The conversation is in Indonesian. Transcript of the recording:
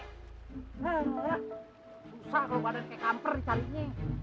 susah kalau badan kaya kamper carinya